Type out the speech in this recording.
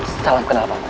salam kenal paman